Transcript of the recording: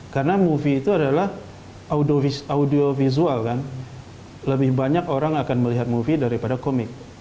karena movie itu adalah audio visual kan lebih banyak orang akan melihat movie daripada komik